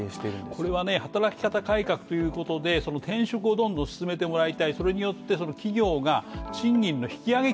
これは働き方改革ということで転職をどんどん進めてもらいたい、それによって企業が賃金の引き上げ